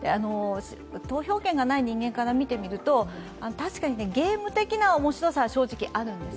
投票権がない人間から見てみると、確かにゲーム的なおもしろさはあるんです。